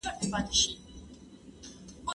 زه هره ورځ سبا ته پلان جوړوم.